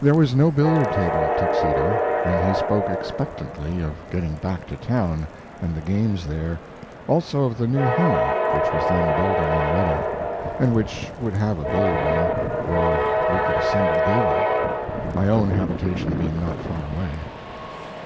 There was no billiard table at Tuxedo, and he spoke expectantly of getting back to town and the games there, also of the new home which was then building in Redding, and which would have a billiard room where we could assemble daily my own habitation being not far away.